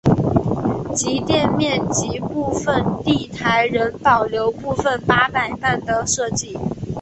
其店面及部份地台仍保留部份八佰伴的设计。